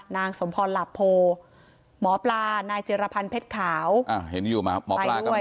นางสมพลหลับโพหมอปลานายเจรพรเพชรขาวอ้าเห็นอยู่ไหมหมอปลาก็มานี่